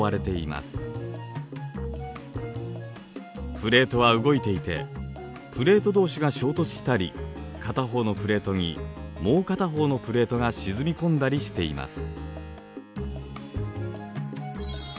プレートは動いていてプレート同士が衝突したり片方のプレートにもう片方のプレートが沈み込んだりしています。